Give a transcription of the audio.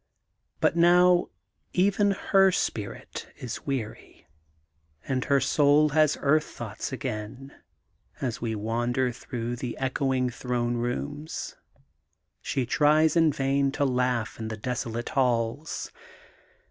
But now even her spirit is weary and her soul has earth thoughts again, as we wander through the echoing throne rooms. She tries in vain to laugh in the desolate halls.